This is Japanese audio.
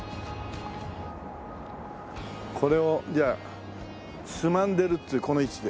これをじゃあつまんでるっていうこの位置で。